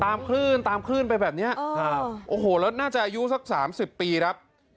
ตามขึ้นตามขึ้นไปแบบนี้โอ้โหแล้วน่าจะอายุสักสามสิบปีครับ